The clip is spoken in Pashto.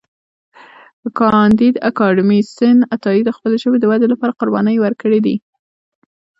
کانديد اکاډميسن عطایي د خپلې ژبې د ودې لپاره قربانۍ ورکړې دي.